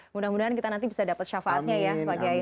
mudah mudahan kita nanti bisa dapat syafaatnya ya sebagai